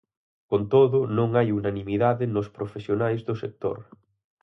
Con todo, non hai unanimidade nos profesionais do sector.